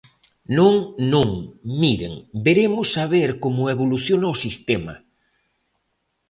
¡Non, non, miren, veremos a ver como evoluciona o sistema!